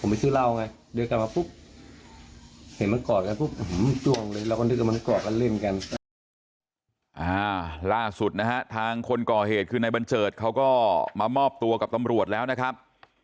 ล่าสุดนะฮะทางคนก่อเหตุคือนายบัญเจิดเขาก็มามอบตัวกับตำรวจแล้วนะครับ